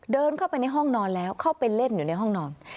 เดินเข้าไปในห้องนอนแล้วเข้าไปเล่นอยู่ในห้องนอน